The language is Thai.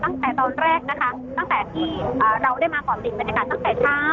ตั้งแต่ตอนแรกนะคะตั้งแต่ที่เราได้มาขอบสินเป็นในการตั้งแต่เช้า